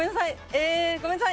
えごめんなさい！